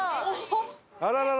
あらららら！